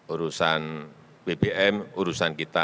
urusan bbm urusan kita